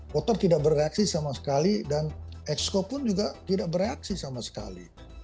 motor tidak bereaksi sama sekali dan exco pun juga tidak bereaksi sama sekali